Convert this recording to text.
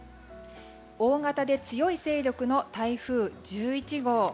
大型で強い勢力の台風１１号。